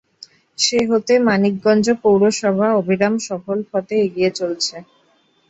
সে হতে মানিকগঞ্জ পৌরসভা অবিরাম সফল পথে এগিয়ে চলছে।